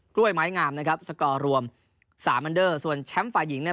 ้วยไม้งามนะครับสกอร์รวมสามอันเดอร์ส่วนแชมป์ฝ่ายหญิงเนี่ย